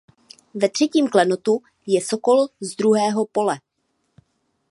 Ve třetím klenotu je sokol z druhého pole.